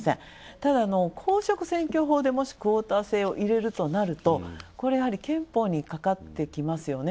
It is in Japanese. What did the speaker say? ただ公職選挙法でもし交代制を入れるとなるとこれやはり憲法にかかってきますよね